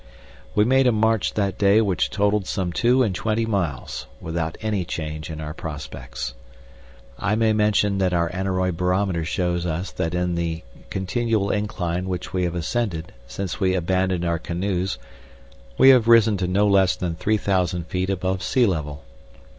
We made a march that day which totaled some two and twenty miles, without any change in our prospects. I may mention that our aneroid shows us that in the continual incline which we have ascended since we abandoned our canoes we have risen to no less than three thousand feet above sea level.